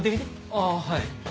ああはい。